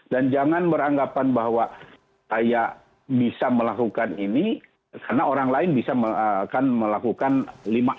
dan jangan beranggapan bahwa saya bisa melakukan ini karena orang lain bisa melakukan lima m